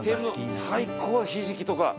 最高ひじきとか。